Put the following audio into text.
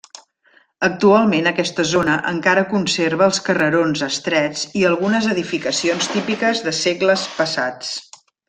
Actualment, aquesta zona encara conserva els carrerons estrets i algunes edificacions típiques de segles passats.